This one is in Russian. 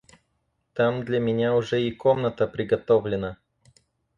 Там для меня уже и комната приготовлена.